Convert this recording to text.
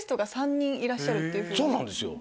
そうなんですよ。